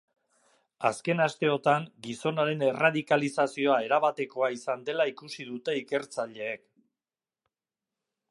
Azken asteotan gizonaren erradikalizazioa erabatekoa izan dela ikusi dute ikertzaileek.